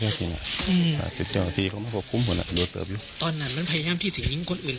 ครับตอนนั้นมันพยายามที่สิ่งยิงคนอื่นอีก